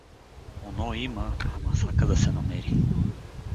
— Оно има, ама сака да се намери.